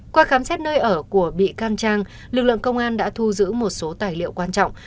qua khám xét nơi ở của bị can trang lực lượng công an đã thu giữ một số tài liệu quan trọng